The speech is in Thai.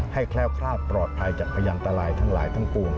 แคล้วคลาดปลอดภัยจากพยันตรายทั้งหลายทั้งปวง